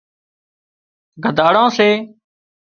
گڌاڙان سي